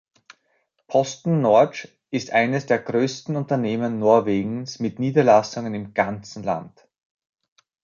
Posten Norge ist eines der größten Unternehmen Norwegens mit Niederlassungen im ganzen Land.